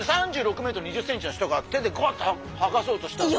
３６ｍ２０ｃｍの人が手でグアッてはがそうとしたら。